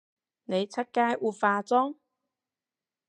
你出街會化妝？